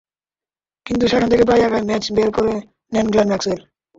কিন্তু সেখান থেকে প্রায় একাই ম্যাচ বের করে নেন গ্লেন ম্যাক্সওয়েল।